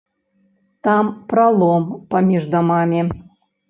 Там пралом паміж дамамі.